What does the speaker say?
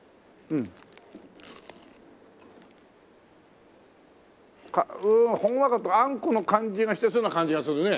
うーんほんわかとあんこの感じがしてそうな感じがするね。